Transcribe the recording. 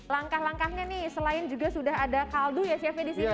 langkah langkahnya nih selain juga sudah ada kaldu ya chefnya di sini